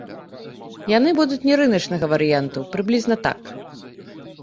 Яны будуць не рыначнага варыянту, прыблізна так.